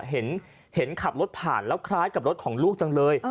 เห็นขับรถผ่านแล้วคล้ายกับรถของลูกจังเลย